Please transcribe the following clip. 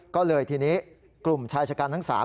ก็เลยทีนี้กลุ่มชายชะกันทั้ง๓